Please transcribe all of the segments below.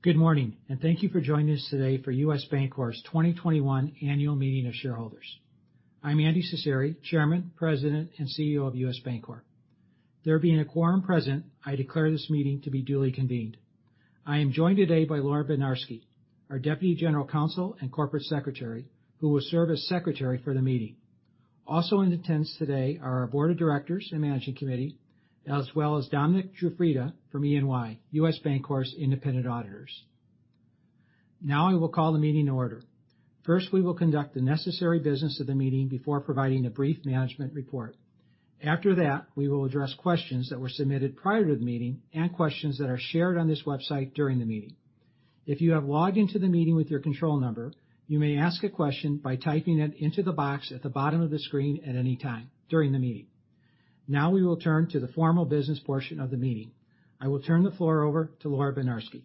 Good morning, and thank you for joining us today for U.S. Bancorp's 2021 annual meeting of shareholders. I'm Andy Cecere, Chairman, President, and CEO of U.S. Bancorp. There being a quorum present, I declare this meeting to be duly convened. I am joined today by Laura Bednarski, our Deputy General Counsel and Corporate Secretary, who will serve as Secretary for the meeting. Also in attendance today are our Board of Directors and Management Committee, as well as Dominic Giuffrida from E&Y, U.S. Bancorp's independent auditors. Now I will call the meeting to order. First, we will conduct the necessary business of the meeting before providing a brief management report. After that, we will address questions that were submitted prior to the meeting and questions that are shared on this website during the meeting. If you have logged into the meeting with your control number, you may ask a question by typing it into the box at the bottom of the screen at any time during the meeting. Now we will turn to the formal business portion of the meeting. I will turn the floor over to Laura Bednarski.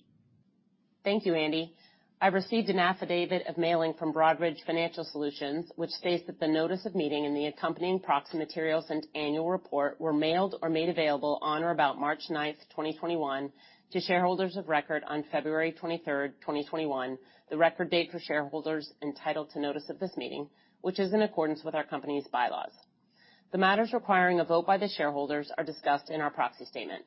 Thank you, Andy. I received an affidavit of mailing from Broadridge Financial Solutions, which states that the notice of meeting and the accompanying proxy materials and annual report were mailed or made available on or about March 9, 2021, to shareholders of record on February 23, 2021, the record date for shareholders entitled to notice of this meeting, which is in accordance with our company's bylaws. The matters requiring a vote by the shareholders are discussed in our proxy statement.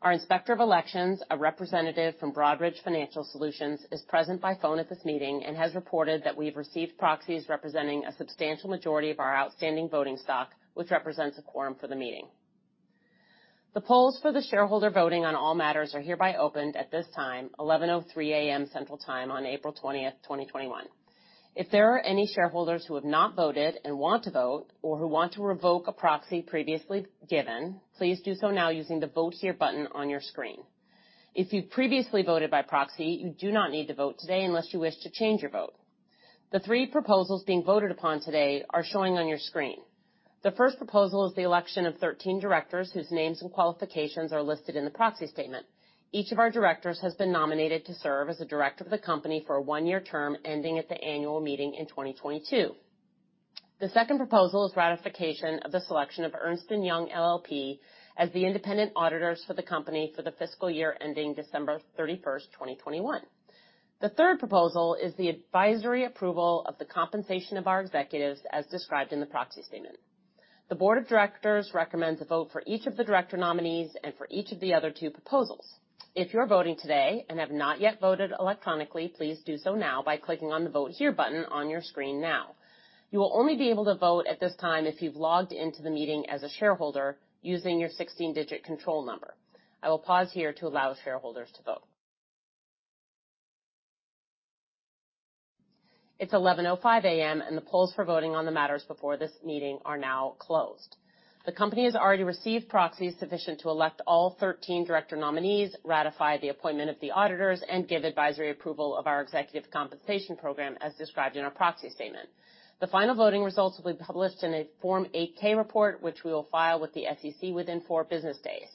Our Inspector of Elections, a representative from Broadridge Financial Solutions, is present by phone at this meeting and has reported that we've received proxies representing a substantial majority of our outstanding voting stock, which represents a quorum for the meeting. The polls for the shareholder voting on all matters are hereby opened at this time, 11:03 A.M. Central Time on April 20, 2021. If there are any shareholders who have not voted and want to vote or who want to revoke a proxy previously given, please do so now using the Vote Here button on your screen. If you previously voted by proxy, you do not need to vote today unless you wish to change your vote. The three proposals being voted upon today are showing on your screen. The first proposal is the election of 13 directors whose names and qualifications are listed in the proxy statement. Each of our directors has been nominated to serve as a director of the company for a one-year term ending at the annual meeting in 2022. The second proposal is ratification of the selection of Ernst & Young LLP as the independent auditors for the company for the fiscal year ending December 31st, 2021. The third proposal is the advisory approval of the compensation of our executives as described in the proxy statement. The Board of Directors recommends a vote for each of the director nominees and for each of the other two proposals. If you're voting today and have not yet voted electronically, please do so now by clicking on the Vote Here button on your screen now. You will only be able to vote at this time if you've logged into the meeting as a shareholder using your 16-digit control number. I will pause here to allow shareholders to vote. It's 11:05 A.M., and the polls for voting on the matters before this meeting are now closed. The company has already received proxies sufficient to elect all 13 director nominees, ratify the appointment of the auditors, and give advisory approval of our executive compensation program as described in our proxy statement. The final voting results will be published in a Form 8-K report, which we will file with the SEC within four business days.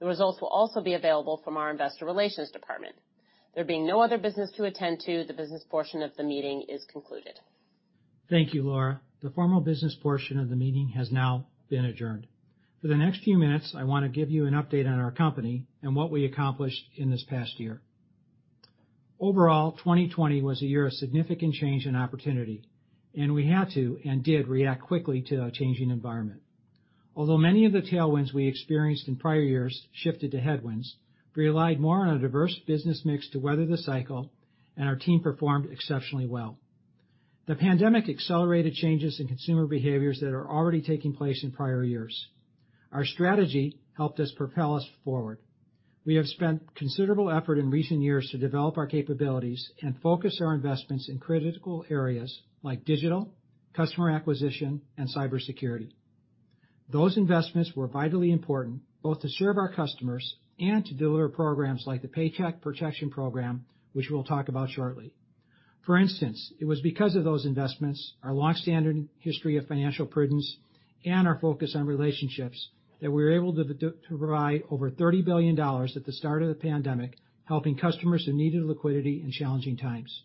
The results will also be available from our investor relations department. There being no other business to attend to, the business portion of the meeting is concluded. Thank you, Laura. The formal business portion of the meeting has now been adjourned. For the next few minutes, I want to give you an update on our company and what we accomplished in this past year. Overall, 2020 was a year of significant change and opportunity, and we had to and did react quickly to a changing environment. Although many of the tailwinds we experienced in prior years shifted to headwinds, we relied more on a diverse business mix to weather the cycle, and our team performed exceptionally well. The pandemic accelerated changes in consumer behaviors that were already taking place in prior years. Our strategy helped us propel us forward. We have spent considerable effort in recent years to develop our capabilities and focus our investments in critical areas like digital, customer acquisition, and cybersecurity. Those investments were vitally important both to serve our customers and to deliver programs like the Paycheck Protection Program, which we'll talk about shortly. For instance, it was because of those investments, our long-standing history of financial prudence, and our focus on relationships, that we were able to provide over $30 billion at the start of the pandemic, helping customers who needed liquidity in challenging times.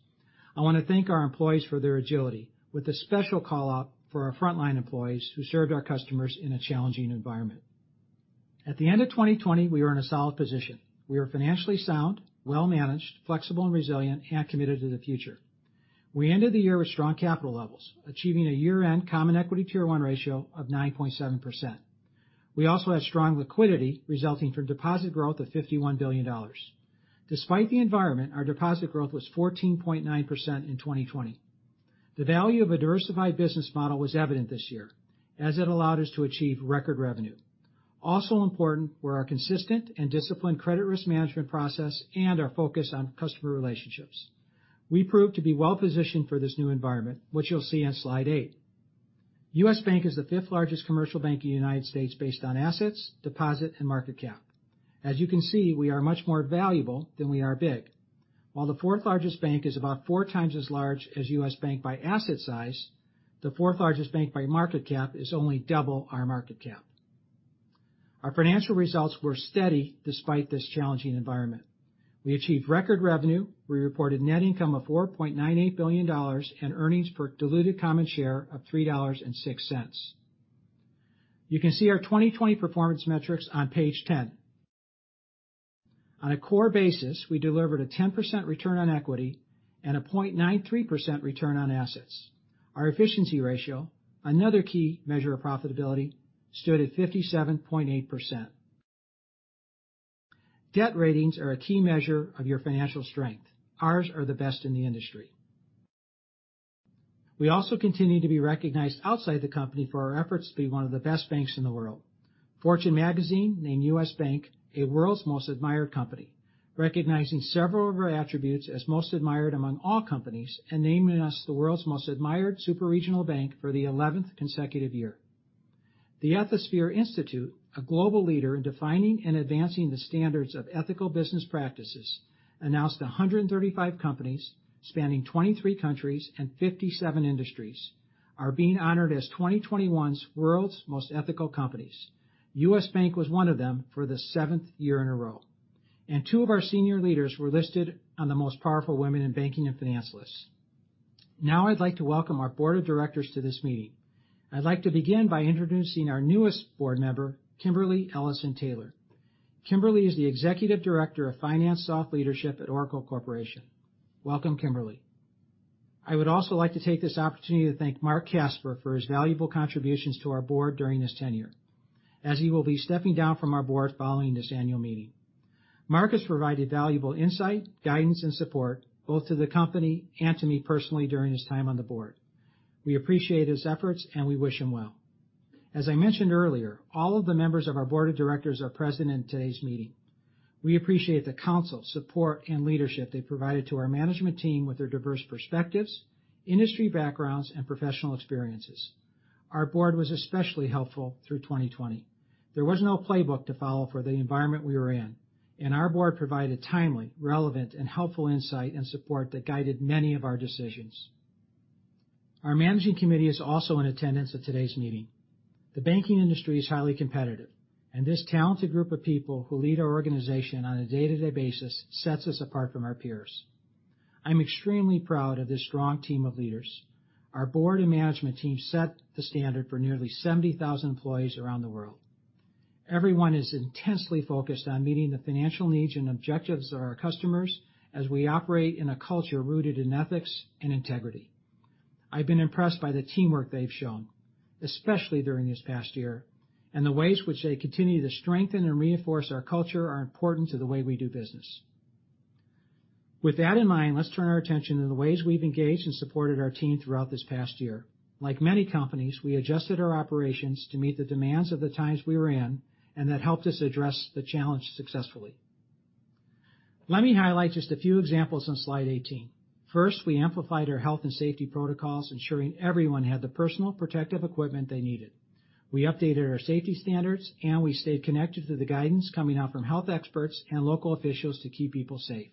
I want to thank our employees for their agility with a special call-out for our frontline employees who served our customers in a challenging environment. At the end of 2020, we were in a solid position. We were financially sound, well-managed, flexible, and resilient, and committed to the future. We ended the year with strong capital levels, achieving a year-end Common Equity Tier 1 ratio of 9.7%. We also had strong liquidity resulting from deposit growth of $51 billion. Despite the environment, our deposit growth was 14.9% in 2020. The value of a diversified business model was evident this year as it allowed us to achieve record revenue. Also important were our consistent and disciplined credit risk management process and our focus on customer relationships. We proved to be well-positioned for this new environment, which you'll see on slide eight. U.S. Bank is the fifth largest commercial bank in the United States based on assets, deposits, and market cap. As you can see, we are much more valuable than we are big. While the fourth largest bank is about 4x as large as U.S. Bank by asset size, the fourth largest bank by market cap is only double our market cap. Our financial results were steady despite this challenging environment. We achieved record revenue. We reported net income of $4.98 billion and earnings per diluted common share of $3.06. You can see our 2020 performance metrics on page 10. On a core basis, we delivered a 10% return on equity and a 0.93% return on assets. Our efficiency ratio, another key measure of profitability, stood at 57.8%. Debt ratings are a key measure of your financial strength. Ours are the best in the industry. We also continue to be recognized outside the company for our efforts to be one of the best banks in the world. Fortune magazine named U.S. Bank a World's Most Admired Company, recognizing several of our attributes as most admired among all companies, and naming us the World's Most Admired Super Regional Bank for the 11th consecutive year. The Ethisphere Institute, a global leader in defining and advancing the standards of ethical business practices, announced 135 companies spanning 23 countries and 57 industries are being honored as 2021's World's Most Ethical Companies. U.S. Bank was one of them for the seventh year in a row. Two of our senior leaders were listed on the Most Powerful Women in Banking and Finance List. Now I'd like to welcome our Board of Directors to this meeting. I'd like to begin by introducing our newest board member, Kimberly Ellison-Taylor. Kimberly is the Executive Director of Finance Thought Leadership at Oracle Corporation. Welcome, Kimberly. I would also like to take this opportunity to thank Marc Casper for his valuable contributions to our board during his tenure, as he will be stepping down from our board following this annual meeting. Marc has provided valuable insight, guidance, and support both to the company and to me personally during his time on the board. We appreciate his efforts, and we wish him well. As I mentioned earlier, all of the members of our Board of Directors are present in today's meeting. We appreciate the counsel, support, and leadership they provided to our management team with their diverse perspectives, industry backgrounds, and professional experiences. Our board was especially helpful through 2020. There was no playbook to follow for the environment we were in, and our board provided timely, relevant, and helpful insight and support that guided many of our decisions. Our managing committee is also in attendance at today's meeting. The banking industry is highly competitive, and this talented group of people who lead our organization on a day-to-day basis sets us apart from our peers. I'm extremely proud of this strong team of leaders. Our board and management team set the standard for nearly 70,000 employees around the world. Everyone is intensely focused on meeting the financial needs and objectives of our customers as we operate in a culture rooted in ethics and integrity. I've been impressed by the teamwork they've shown, especially during this past year, and the ways which they continue to strengthen and reinforce our culture are important to the way we do business. With that in mind, let's turn our attention to the ways we've engaged and supported our team throughout this past year. Like many companies, we adjusted our operations to meet the demands of the times we were in, and that helped us address the challenge successfully. Let me highlight just a few examples on slide 18. First, we amplified our health and safety protocols, ensuring everyone had the personal protective equipment they needed. We updated our safety standards, and we stayed connected to the guidance coming out from health experts and local officials to keep people safe.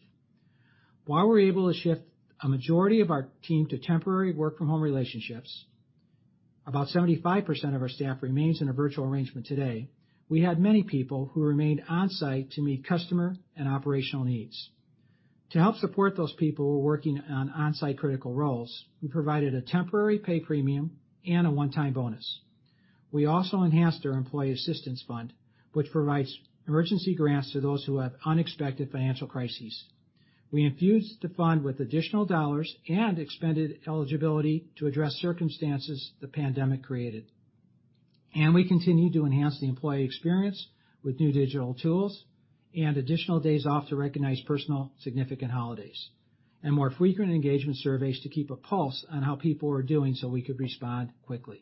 While we were able to shift a majority of our team to temporary work-from-home relationships, about 75% of our staff remains in a virtual arrangement today, we had many people who remained on-site to meet customer and operational needs. To help support those people who were working on-site critical roles, we provided a temporary pay premium and a one-time bonus. We also enhanced our employee assistance fund, which provides emergency grants to those who have unexpected financial crises. We infused the fund with additional dollars and expanded eligibility to address circumstances the pandemic created. We continued to enhance the employee experience with new digital tools and additional days off to recognize personal significant holidays. More frequent engagement surveys to keep a pulse on how people were doing so we could respond quickly.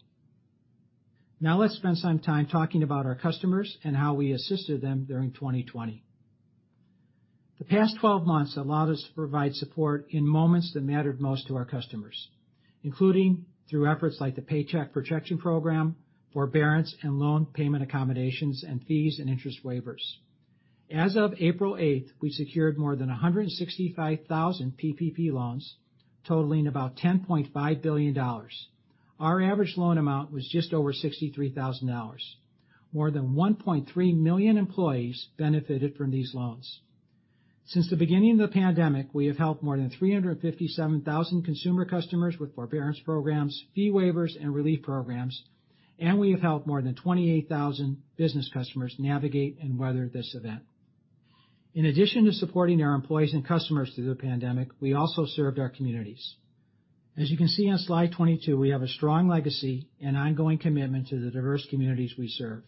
Now let's spend some time talking about our customers and how we assisted them during 2020. The past 12 months allowed us to provide support in moments that mattered most to our customers, including through efforts like the Paycheck Protection Program, forbearance and loan payment accommodations, and fees and interest waivers. As of April 8th, we secured more than 165,000 PPP loans totaling about $10.5 billion. Our average loan amount was just over $63,000. More than 1.3 million employees benefited from these loans. Since the beginning of the pandemic, we have helped more than 357,000 consumer customers with forbearance programs, fee waivers, and relief programs, and we have helped more than 28,000 business customers navigate and weather this event. In addition to supporting our employees and customers through the pandemic, we also served our communities. As you can see on slide 22, we have a strong legacy and ongoing commitment to the diverse communities we serve.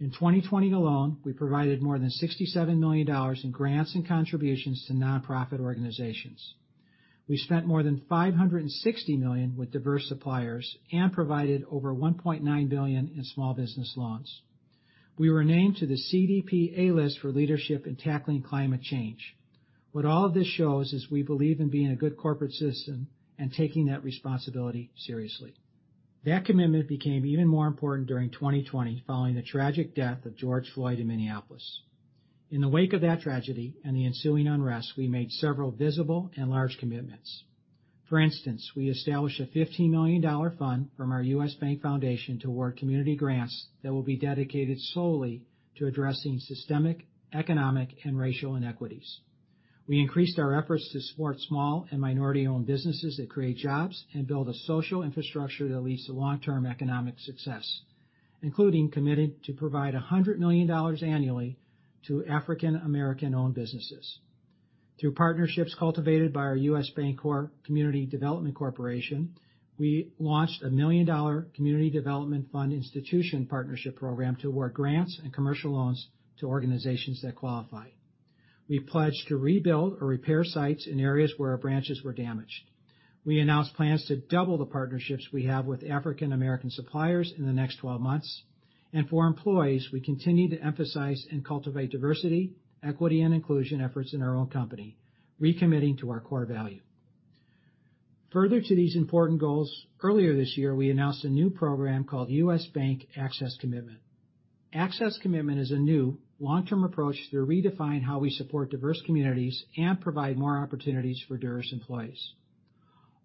In 2020 alone, we provided more than $67 million in grants and contributions to nonprofit organizations. We spent more than $560 million with diverse suppliers and provided over $1.9 billion in small business loans. We were named to the CDP A List for leadership in tackling climate change. What all of this shows is we believe in being a good corporate citizen and taking that responsibility seriously. That commitment became even more important during 2020 following the tragic death of George Floyd in Minneapolis. In the wake of that tragedy and the ensuing unrest, we made several visible and large commitments. For instance, we established a $15 million fund from our U.S. Bank Foundation to award community grants that will be dedicated solely to addressing systemic economic and racial inequities. We increased our efforts to support small and minority-owned businesses that create jobs and build a social infrastructure that leads to long-term economic success, including committing to provide $100 million annually to African American-owned businesses. Through partnerships cultivated by our U.S. Bancorp Community Development Corporation, we launched a $1 million community development fund institution partnership program to award grants and commercial loans to organizations that qualify. We pledged to rebuild or repair sites in areas where our branches were damaged. We announced plans to double the partnerships we have with African American suppliers in the next 12 months. For our employees, we continue to emphasize and cultivate diversity, equity, and inclusion efforts in our own company, recommitting to our core value. Further to these important goals, earlier this year, we announced a new program called U.S. Bank Access Commitment. Access Commitment is a new long-term approach to redefine how we support diverse communities and provide more opportunities for diverse employees.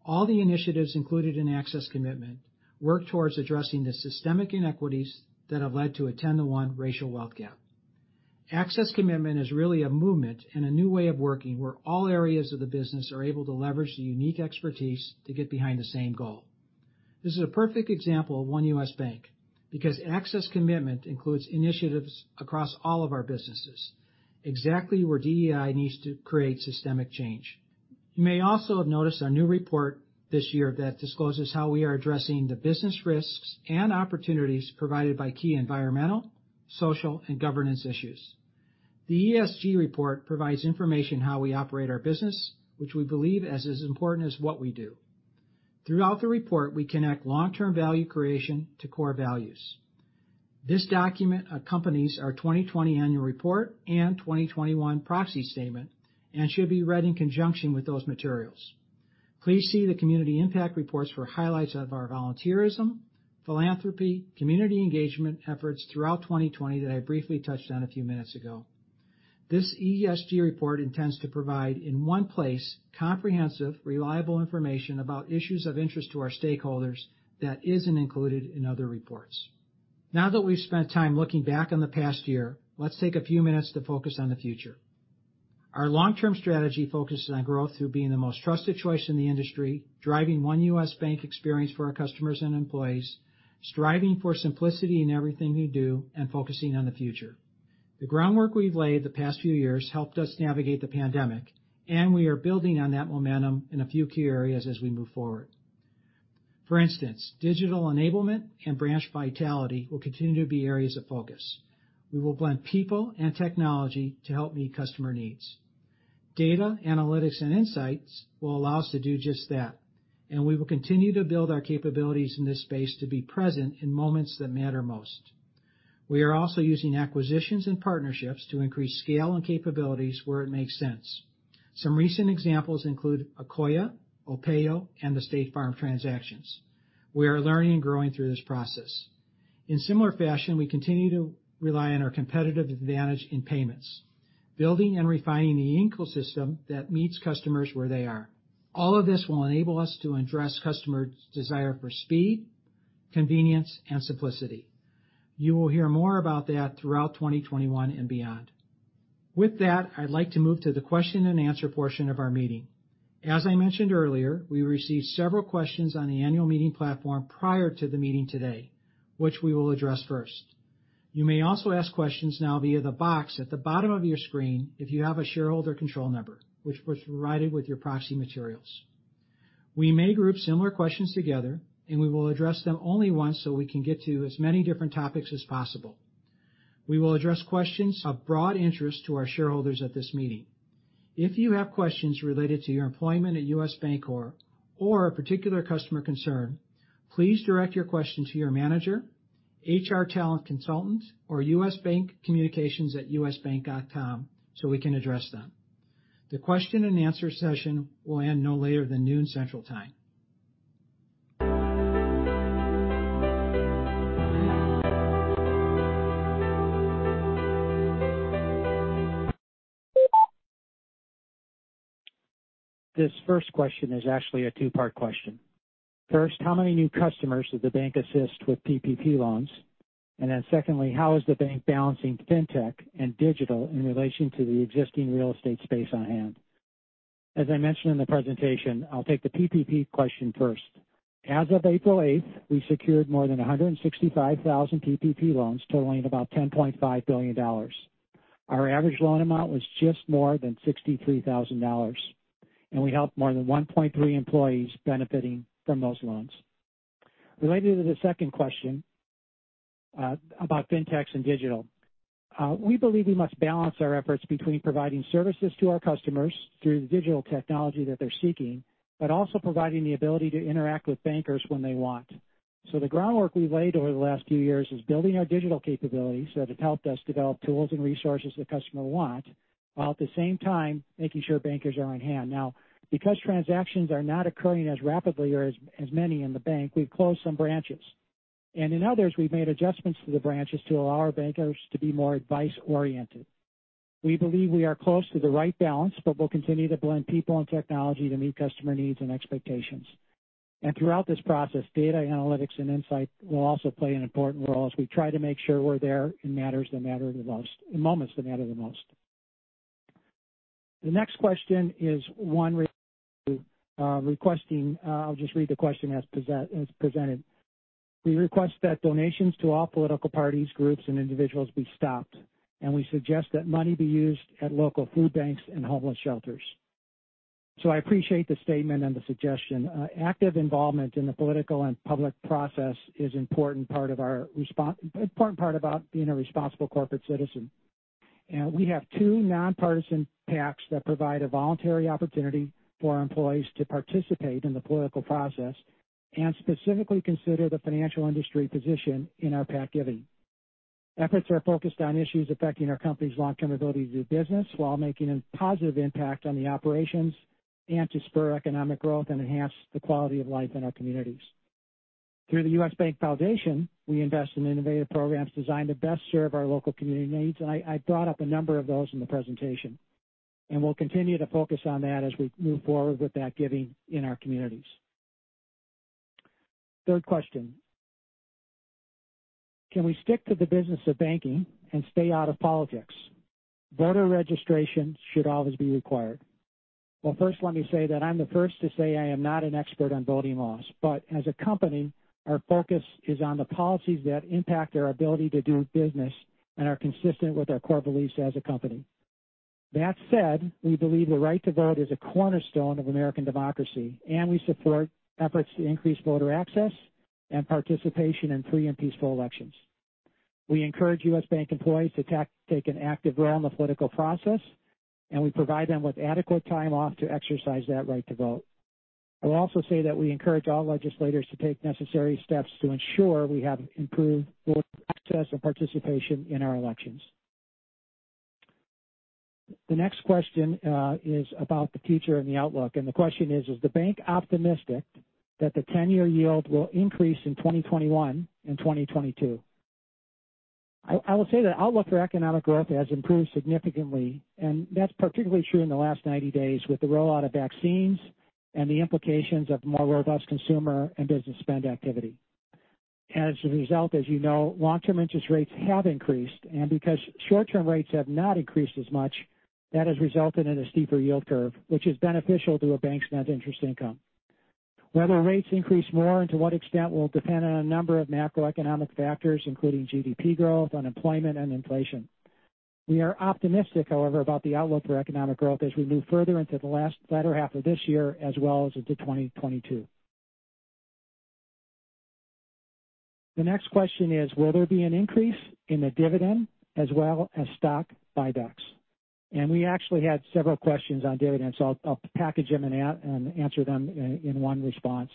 All the initiatives included in Access Commitment work towards addressing the systemic inequities that have led to a 10:1 racial wealth gap. Access Commitment is really a movement and a new way of working, where all areas of the business are able to leverage the unique expertise to get behind the same goal. This is a perfect example of one U.S. Bank, because Access Commitment includes initiatives across all of our businesses, exactly where DEI needs to create systemic change. You may also have noticed our new report this year that discloses how we are addressing the business risks and opportunities provided by key environmental, social, and governance issues. The ESG report provides information how we operate our business, which we believe as is important as what we do. Throughout the report, we connect long-term value creation to core values. This document accompanies our 2020 annual report and 2021 proxy statement and should be read in conjunction with those materials. Please see the community impact reports for highlights of our volunteerism, philanthropy, community engagement efforts throughout 2020 that I briefly touched on a few minutes ago. This ESG report intends to provide, in one place, comprehensive, reliable information about issues of interest to our stakeholders that isn't included in other reports. Now that we've spent time looking back on the past year, let's take a few minutes to focus on the future. Our long-term strategy focuses on growth through being the most trusted choice in the industry, driving one U.S. Bank experience for our customers and employees, striving for simplicity in everything you do, and focusing on the future. The groundwork we've laid the past few years helped us navigate the pandemic, and we are building on that momentum in a few key areas as we move forward. For instance, digital enablement and branch vitality will continue to be areas of focus. We will blend people and technology to help meet customer needs. Data, analytics, and insights will allow us to do just that, and we will continue to build our capabilities in this space to be present in moments that matter most. We are also using acquisitions and partnerships to increase scale and capabilities where it makes sense. Some recent examples include Akoya, [OPEIU], and the State Farm transactions. We are learning and growing through this process. In similar fashion, we continue to rely on our competitive advantage in payments, building and refining the ecosystem that meets customers where they are. All of this will enable us to address customers' desire for speed, convenience, and simplicity. You will hear more about that throughout 2021 and beyond. With that, I'd like to move to the question-and-answer portion of our meeting. As I mentioned earlier, we received several questions on the annual meeting platform prior to the meeting today, which we will address first. You may also ask questions now via the box at the bottom of your screen if you have a shareholder control number, which was provided with your proxy materials. We may group similar questions together, and we will address them only once so we can get to as many different topics as possible. We will address questions of broad interest to our shareholders at this meeting. If you have questions related to your employment at U.S. Bancorp or a particular customer concern, please direct your question to your manager, HR talent consultant, or usbankcommunications@usbank.com so we can address them. The question-and-answer session will end no later than 12:00 P.M. Central Time. This first question is actually a two-part question. First, how many new customers did the bank assist with PPP loans? Secondly, how is the bank balancing fintech and digital in relation to the existing real estate space on hand? As I mentioned in the presentation, I'll take the PPP question first. As of April 8th, we secured more than 165,000 PPP loans totaling about $10.5 billion. Our average loan amount was just more than $63,000, and we helped more than 1.3 million employees benefiting from those loans. Related to the second question, about fintechs and digital, we believe we must balance our efforts between providing services to our customers through the digital technology that they're seeking, but also providing the ability to interact with bankers when they want. The groundwork we've laid over the last few years is building our digital capabilities. It has helped us develop tools and resources that customers want, while at the same time, making sure bankers are on hand. Now, because transactions are not occurring as rapidly or as many in the bank, we've closed some branches. In others, we've made adjustments to the branches to allow our bankers to be more advice oriented. We believe we are close to the right balance, but we'll continue to blend people and technology to meet customer needs and expectations. Throughout this process, data analytics and insight will also play an important role as we try to make sure we're there in matters that matter the most, in moments that matter the most. The next question is one requesting. I'll just read the question as presented. We request that donations to all political parties, groups, and individuals be stopped, and we suggest that money be used at local food banks and homeless shelters. I appreciate the statement and the suggestion. Active involvement in the political and public process is important part about being a responsible corporate citizen. We have two nonpartisan PACs that provide a voluntary opportunity for our employees to participate in the political process and specifically consider the financial industry position in our PAC giving. Efforts are focused on issues affecting our company's long-term ability to do business while making a positive impact on the operations and to spur economic growth and enhance the quality of life in our communities. Through the U.S. Bank Foundation, we invest in innovative programs designed to best serve our local community needs. I brought up a number of those in the presentation, and we'll continue to focus on that as we move forward with that giving in our communities. Third question, can we stick to the business of banking and stay out of politics? Voter registration should always be required. Well, first let me say that I'm the first to say I am not an expert on voting laws. As a company, our focus is on the policies that impact our ability to do business and are consistent with our core beliefs as a company. That said, we believe the right to vote is a cornerstone of American democracy, and we support efforts to increase voter access and participation in free and peaceful elections. We encourage U.S. Bank employees to take an active role in the political process, and we provide them with adequate time off to exercise that right to vote. I will also say that we encourage all legislators to take necessary steps to ensure we have improved voter access and participation in our elections. The next question is about the future and the outlook, and the question is the bank optimistic that the 10-year yield will increase in 2021 and 2022? I will say the outlook for economic growth has improved significantly, and that's particularly true in the last 90 days with the rollout of vaccines and the implications of more robust consumer and business spend activity. As a result, as you know, long-term interest rates have increased, and because short-term rates have not increased as much, that has resulted in a steeper yield curve, which is beneficial to a bank's net interest income. Whether rates increase more and to what extent will depend on a number of macroeconomic factors, including GDP growth, unemployment, and inflation. We are optimistic, however, about the outlook for economic growth as we move further into the latter half of this year as well as into 2022. The next question is, will there be an increase in the dividend as well as stock buybacks? We actually had several questions on dividends. I'll package them and answer them in one response.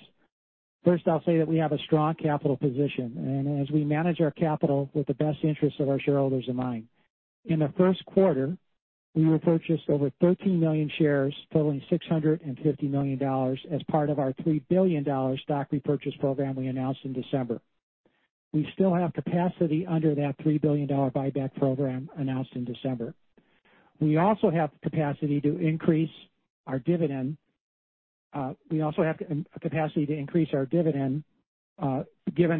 First, I'll say that we have a strong capital position. As we manage our capital with the best interest of our shareholders in mind. In the first quarter, we repurchased over 13 million shares totaling $650 million as part of our $3 billion stock repurchase program we announced in December. We still have capacity under that $3 billion buyback program announced in December. We also have the capacity to increase our dividend given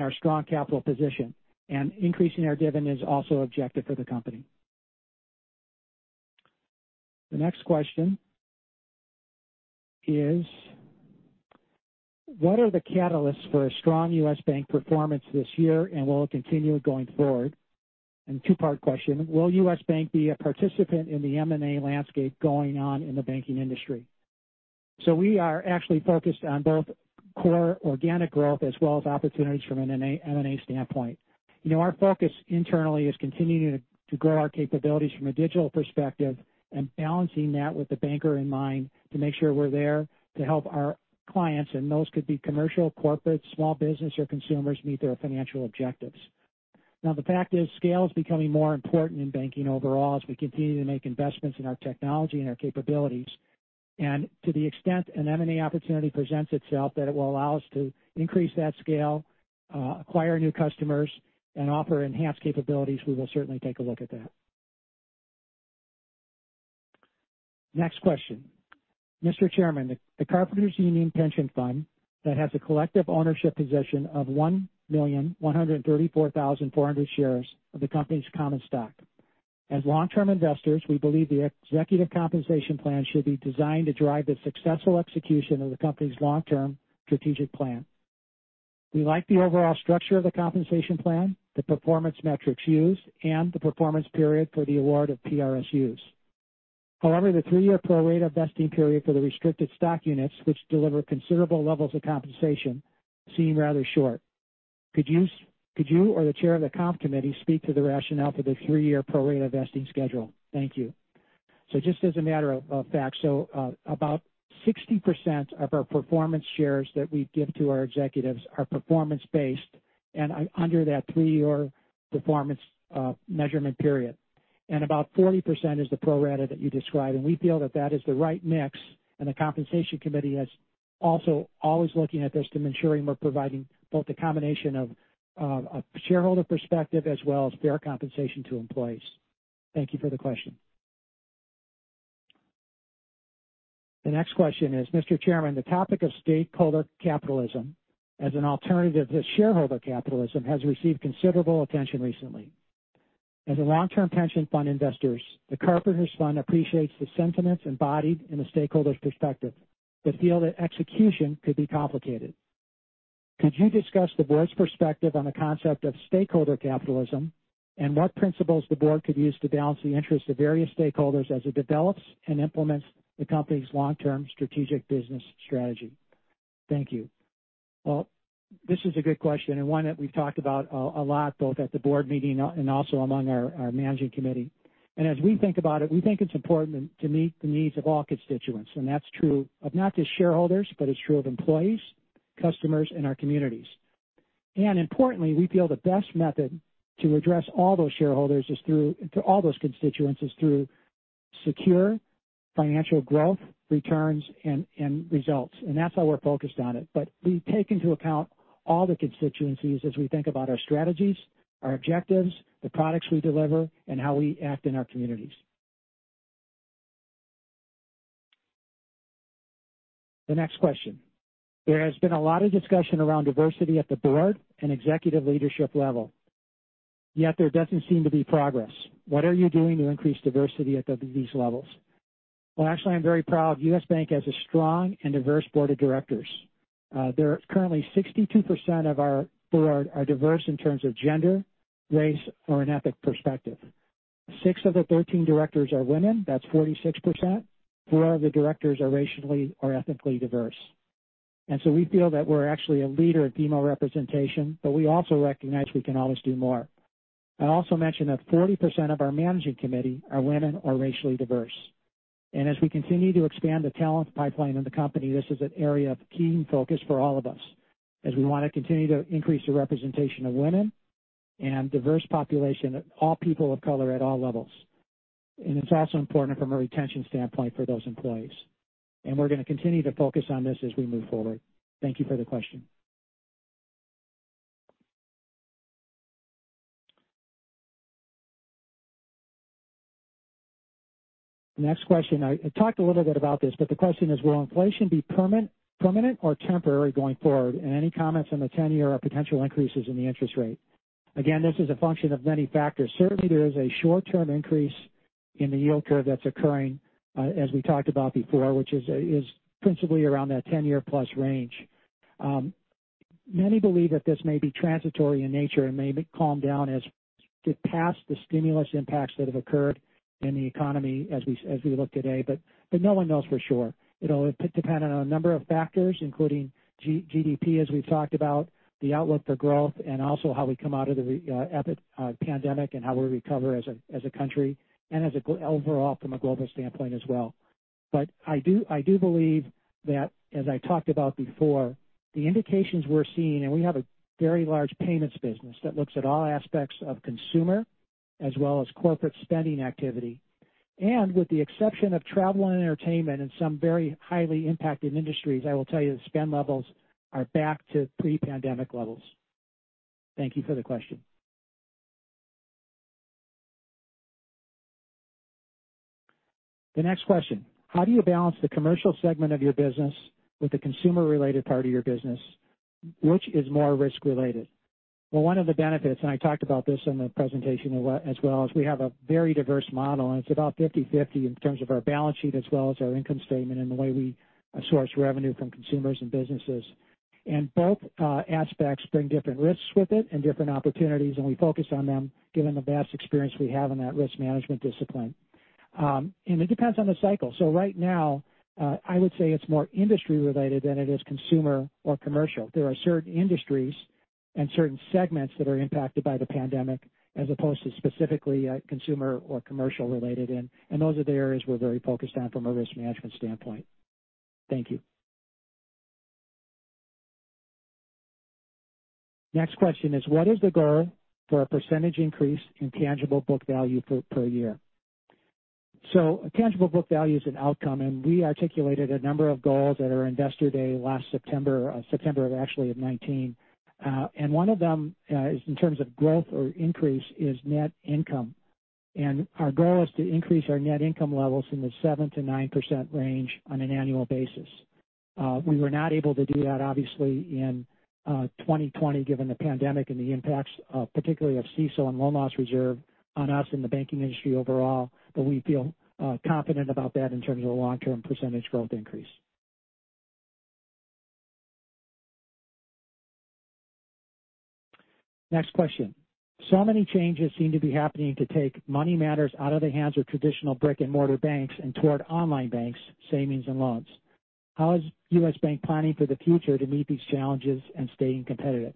our strong capital position, and increasing our dividend is also objective for the company. The next question is, what are the catalysts for a strong U.S. Bank performance this year, and will it continue going forward? Two-part question, will U.S. Bank be a participant in the M&A landscape going on in the banking industry? We are actually focused on both core organic growth as well as opportunities from an M&A standpoint. Our focus internally is continuing to grow our capabilities from a digital perspective and balancing that with the banker in mind to make sure we're there to help our clients, and those could be commercial, corporate, small business, or consumers meet their financial objectives. Now the fact is scale is becoming more important in banking overall as we continue to make investments in our technology and our capabilities. To the extent an M&A opportunity presents itself that it will allow us to increase that scale, acquire new customers, and offer enhanced capabilities, we will certainly take a look at that. Next question. Mr. Chairman, the Carpenters Union Pension Fund that has a collective ownership possession of 1,134,400 shares of the company's common stock. As long-term investors, we believe the executive compensation plan should be designed to drive the successful execution of the company's long-term strategic plan. We like the overall structure of the compensation plan, the performance metrics used, and the performance period for the award of PRSU. However, the three-year pro-rata vesting period for the restricted stock units, which deliver considerable levels of compensation, seem rather short. Could you or the Chair of the Comp Committee speak to the rationale for the three-year pro-rata vesting schedule? Thank you. Just as a matter of fact, about 60% of our performance shares that we give to our executives are performance-based and under that three-year performance measurement period. About 40% is the pro rata that you described, and we feel that that is the right mix, and the Compensation Committee is also always looking at this to ensuring we're providing both a combination of a shareholder perspective as well as fair compensation to employees. Thank you for the question. The next question is, Mr. Chairman, the topic of stakeholder capitalism as an alternative to shareholder capitalism has received considerable attention recently. As a long-term pension fund investors, the Carpenters Fund appreciates the sentiments embodied in the stakeholder's perspective. Feel that execution could be complicated. Could you discuss the board's perspective on the concept of stakeholder capitalism, and what principles the board could use to balance the interests of various stakeholders as it develops and implements the company's long-term strategic business strategy? Thank you. Well, this is a good question. One that we've talked about a lot, both at the board meeting and also among our managing committee. As we think about it, we think it's important to meet the needs of all constituents. That's true of not just shareholders, but it's true of employees, customers, and our communities. Importantly, we feel the best method to address all those constituents, is through secure financial growth, returns, and results. That's how we're focused on it. We take into account all the constituencies as we think about our strategies, our objectives, the products we deliver, and how we act in our communities. The next question. There has been a lot of discussion around diversity at the board and executive leadership level, yet there doesn't seem to be progress. What are you doing to increase diversity at these levels? Well, actually, I'm very proud. U.S. Bank has a strong and diverse Board of Directors. There are currently 62% of our board are diverse in terms of gender, race, or an ethnic perspective. Six of the 13 directors are women. That's 46%. Four of the directors are racially or ethnically diverse. We feel that we're actually a leader in female representation, but we also recognize we can always do more. I'd also mention that 40% of our managing committee are women or racially diverse. As we continue to expand the talent pipeline in the company, this is an area of key focus for all of us as we want to continue to increase the representation of women and diverse population, all people of color at all levels. It's also important from a retention standpoint for those employees. We're going to continue to focus on this as we move forward. Thank you for the question. The next question. I talked a little bit about this, but the question is, will inflation be permanent or temporary going forward? Any comments on the 10-year or potential increases in the interest rate? Again, this is a function of many factors. Certainly, there is a short-term increase in the yield curve that's occurring as we talked about before, which is principally around that 10+ year range. Many believe that this may be transitory in nature and may calm down as get past the stimulus impacts that have occurred in the economy as we look today. No one knows for sure. It'll depend on a number of factors, including GDP, as we've talked about, the outlook for growth, and also how we come out of the pandemic and how we recover as a country, and overall from a global standpoint as well. I do believe that as I talked about before, the indications we're seeing, and we have a very large payments business that looks at all aspects of consumer as well as corporate spending activity. With the exception of travel and entertainment in some very highly impacted industries, I will tell you the spend levels are back to pre-pandemic levels. Thank you for the question. The next question. How do you balance the commercial segment of your business with the consumer-related part of your business, which is more risk-related? Well, one of the benefits, and I talked about this in the presentation as well, is we have a very diverse model, and it's about 50/50 in terms of our balance sheet as well as our income statement and the way we source revenue from consumers and businesses. Both aspects bring different risks with it and different opportunities, and we focus on them given the vast experience we have in that risk management discipline. It depends on the cycle. Right now, I would say it's more industry-related than it is consumer or commercial. There are certain industries and certain segments that are impacted by the pandemic as opposed to specifically consumer or commercial related, and those are the areas we're very focused on from a risk management standpoint. Thank you. Next question is, what is the goal for a percentage increase in tangible book value per year? Tangible book value is an outcome, and we articulated a number of goals at our Investor Day last September. September of actually of 2019. One of them is in terms of growth or increase is net income. Our goal is to increase our net income levels in the 7%-9% range on an annual basis. We were not able to do that, obviously, in 2020, given the pandemic and the impacts, particularly of CECL and loan loss reserve on us in the banking industry overall. We feel confident about that in terms of a long-term percentage growth increase. Next question. Many changes seem to be happening to take money matters out of the hands of traditional brick-and-mortar banks and toward online banks, savings and loans. How is U.S. Bank planning for the future to meet these challenges and staying competitive?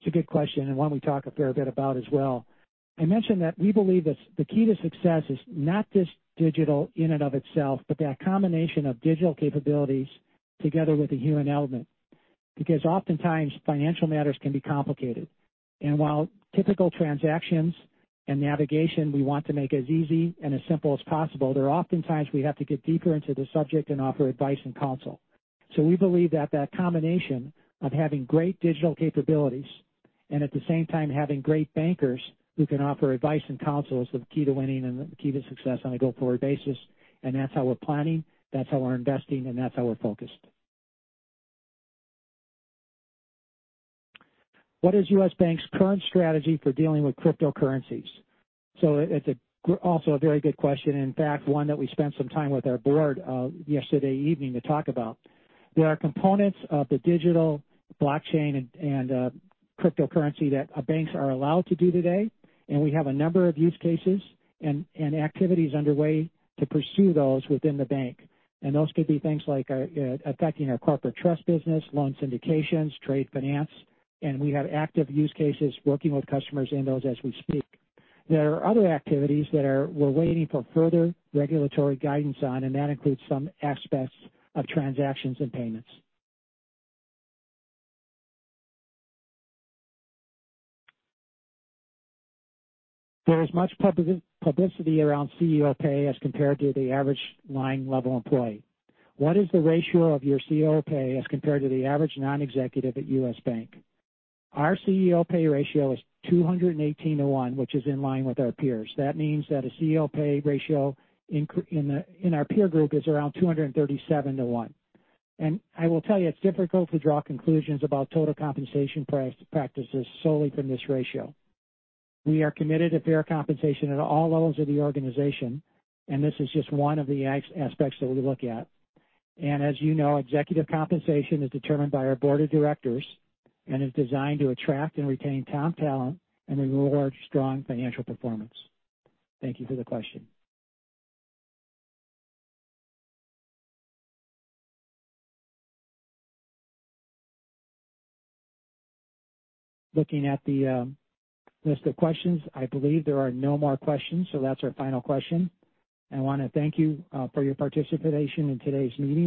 It's a good question and one we talk a fair bit about as well. I mentioned that we believe that the key to success is not just digital in and of itself, but that combination of digital capabilities together with a human element. Oftentimes financial matters can be complicated. While typical transactions and navigation we want to make as easy and as simple as possible, there are oftentimes we have to get deeper into the subject and offer advice and counsel. We believe that that combination of having great digital capabilities, and at the same time, having great bankers who can offer advice and counsel is the key to winning and the key to success on a go-forward basis. That's how we're planning, that's how we're investing, and that's how we're focused. What is U.S. Bank's current strategy for dealing with cryptocurrencies? It's also a very good question, and in fact, one that we spent some time with our board yesterday evening to talk about. There are components of the digital blockchain and cryptocurrency that banks are allowed to do today, and we have a number of use cases and activities underway to pursue those within the bank. Those could be things like affecting our corporate trust business, loan syndications, trade finance, and we have active use cases working with customers in those as we speak. There are other activities that we're waiting for further regulatory guidance on, and that includes some aspects of transactions and payments. There is much publicity around CEO pay as compared to the average line-level employee. What is the ratio of your CEO pay as compared to the average non-executive at U.S. Bank? Our CEO pay ratio is 218:1, which is in line with our peers. That means that a CEO pay ratio in our peer group is around 237:1. I will tell you, it's difficult to draw conclusions about total compensation practices solely from this ratio. We are committed to fair compensation at all levels of the organization, and this is just one of the aspects that we look at. As you know, executive compensation is determined by our Board of Directors and is designed to attract and retain top talent and reward strong financial performance. Thank you for the question. Looking at the list of questions, I believe there are no more questions, so that's our final question. I want to thank you for your participation in today's meeting.